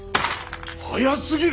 早すぎる！